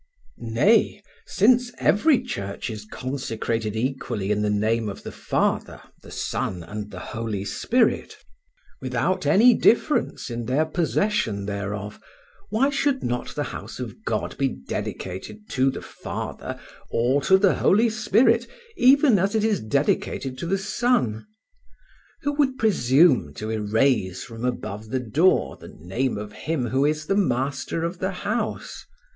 Nay, since every church is consecrated equally in the name of the Father, the Son and the Holy Spirit, without any difference in their possession thereof, why should not the house of God be dedicated to the Father or to the Holy Spirit, even as it is to the Son? Who would presume to erase from above the door the name of him who is the master of the house?